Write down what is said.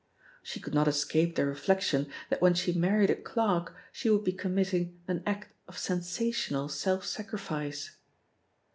She could not escape the reflection that when she married a clerk she would be committing an act of sensational self sacrifice.